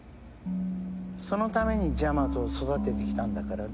そのためにジャマトを育ててきたんだからね。